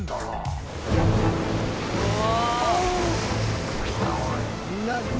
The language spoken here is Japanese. うわ。